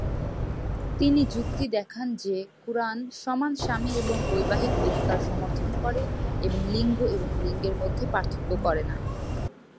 তিনি যুক্তি দেখান যে কুরআন সমান স্বামী এবং বৈবাহিক অধিকার সমর্থন করে এবং লিঙ্গ এবং লিঙ্গের মধ্যে পার্থক্য করে না।